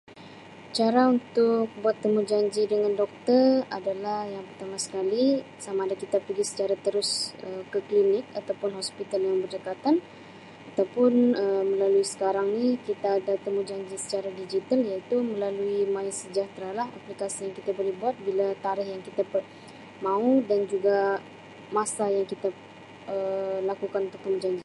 Cara untuk buat temujanji dengan dokter adalah yang pertama sekali sama ada kita pigi secara terus Um ke klinik atau pun ke hospital yang berdekatan atau pun Um melalui sekarang ni kita ada temujanji secara digital iaitu melalui MySejahtera lah, aplikasi yang kita boleh buat bila tarikh yang kita per-mau dan juga masa yang kita Um lakukan tu temujanji.